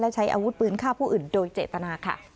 และใช้อาวุธปืนฆ่าผู้อื่นโดยเจตนาค่ะ